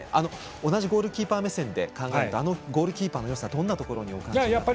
同じゴールキーパー目線で考えてあのゴールキーパーのよさはどんなところにお感じになってますか？